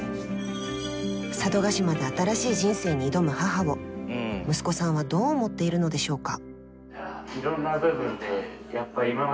佐渡島で新しい人生に挑む母を息子さんはどう思っているのでしょうか？